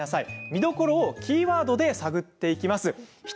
見どころをキーワードで探っていきましょう。